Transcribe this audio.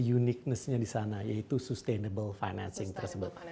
uniqueness nya di sana yaitu sustainable financing tersebut